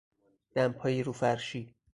دمپایی رو فرشی